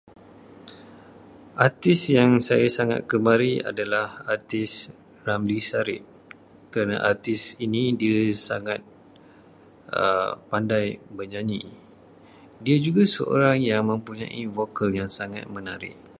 Artis yang saya sangat gemari adalah artis Ramli Sarip kerana artis ini sangat pandai menyanyi. Dia juga seorang yang mempunyai vokal yang sangat menarik.